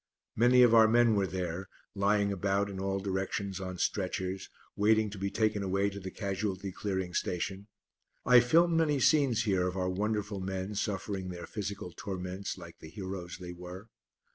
Many of our men were there, lying about in all directions on stretchers, waiting to be taken away to the Casualty Clearing Station. I filmed many scenes here of our wonderful men suffering their physical torments like the heroes they were.